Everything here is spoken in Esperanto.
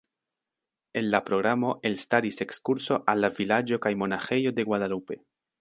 En la programo elstaris ekskurso al la vilaĝo kaj monaĥejo de Guadalupe.